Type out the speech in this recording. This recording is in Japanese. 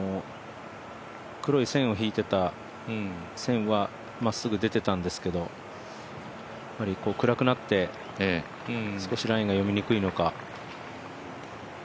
黒い線を引いてた、線はまっすぐ出てたんですけど暗くなって少しラインが読みにくいのか。